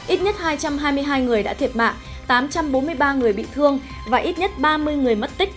ít nhất hai trăm hai mươi hai người đã thiệt mạng tám trăm bốn mươi ba người bị thương và ít nhất ba mươi người mất tích